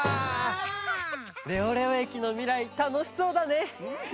レオレオ駅のみらいたのしそうだね！